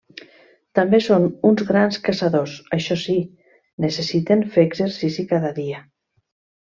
També són uns grans caçadors, això si, necessiten fer exercici cada dia.